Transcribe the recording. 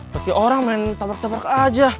bagi orang main tabrak tabrak aja